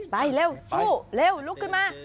ไปเร็วลุกขึ้นมา